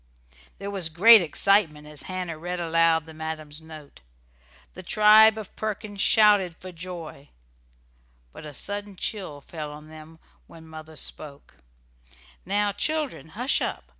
There was great excitement as Hannah read aloud the madam's note. The tribe of Perkins shouted for joy, but a sudden chill fell on them when mother spoke: "Now, children, hush up!